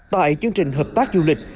tại chương trình hợp tác du lịch